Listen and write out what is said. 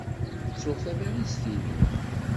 Ttuɣ tabalizt-inu.